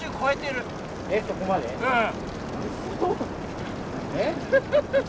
うん。